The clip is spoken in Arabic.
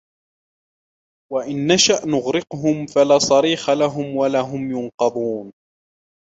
وإن نشأ نغرقهم فلا صريخ لهم ولا هم ينقذون